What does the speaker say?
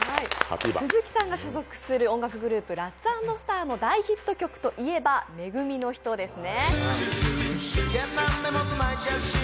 鈴木さんが所属する音楽グループ、ラッツ＆スターの大ヒット曲といえば「め組のひと」ですね。